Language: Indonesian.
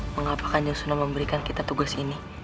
mengapakah niusunah memberikan kita tugas ini